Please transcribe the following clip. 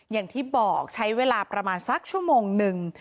อย่างที่บอกใช้เวลาประมาณสักชั่วโมงนึง